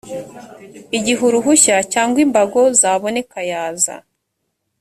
igihe uruhushya cyangwa imbago zaboneka yaza